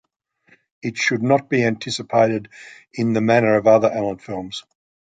It should not be anticipated in the manner of other Allen films.